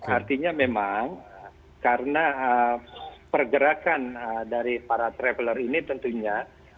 artinya memang karena pergerakan dari para traveler ini tentunya